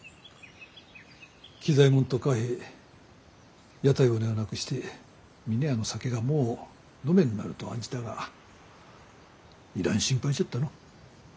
喜左衛門と嘉平屋台骨を亡くして峰屋の酒がもう飲めんなると案じたがいらん心配じゃったの。